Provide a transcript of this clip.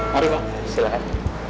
mari pak silahkan